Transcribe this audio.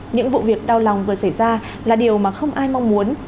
những vụ việc đau lòng vừa xảy ra là điều mà không ai mong muốn